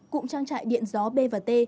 cụm trang trại điện gió b t